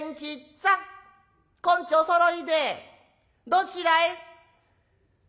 今日おそろいでどちらへ？」。